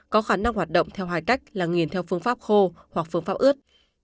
có khả năng hoạt động theo hai cách là nghiền theo phương pháp khô hoặc phương pháp ướt